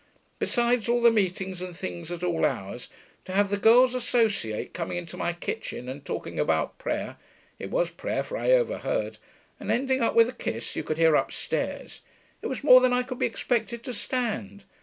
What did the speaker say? Besides all the meetings and things at all hours, to have the girl's Associate coming into my kitchen and talking about prayer (it was prayer, for I overheard) and ending up with a kiss you could hear upstairs it was more than I could be expected to stand.